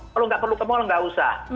kalau nggak perlu ke mal nggak usah